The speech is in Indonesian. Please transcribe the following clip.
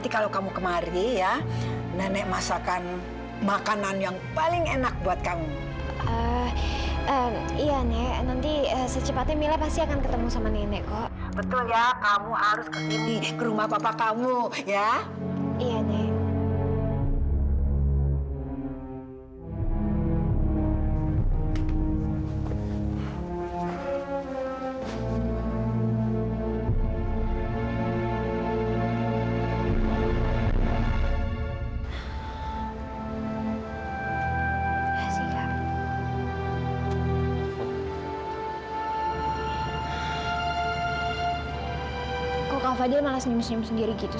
kok kak fadil malah senyum senyum sendiri gitu